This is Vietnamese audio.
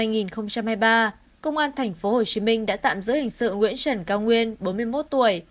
ngày ba mươi một một mươi hai hai nghìn hai mươi ba công an tp hcm đã tạm giữ hình sự nguyễn trần cao nguyên bốn mươi một tuổi